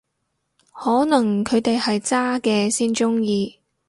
可能佢哋係渣嘅先鍾意